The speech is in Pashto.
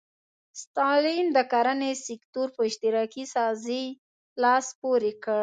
ستالین د کرنې سکتور په اشتراکي سازۍ لاس پورې کړ.